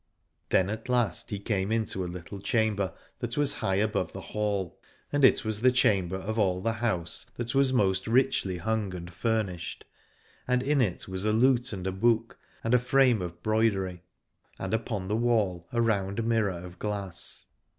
Then at the last he came into a little chamber that was high above the hall : and it was the chamber of all the house that was most richly hung and furnished, and in it was a lute and a book and a frame of broidery, and upon the wall a round mirror of glass.